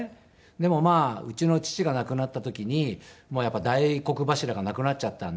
でもまあうちの父が亡くなった時にやっぱり大黒柱が亡くなっちゃったんで。